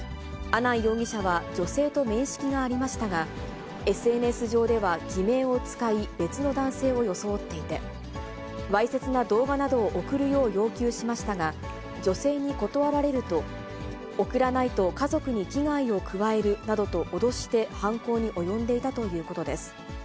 阿南容疑者は、女性と面識がありましたが、ＳＮＳ上では偽名を使い、別の男性を装っていて、わいせつな動画などを送るよう要求しましたが、女性に断られると、送らないと家族に危害を加えるなどと脅して犯行に及んでいたということです。